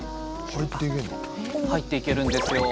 入っていけるんですよ。